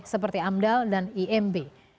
seperti amdal dan imb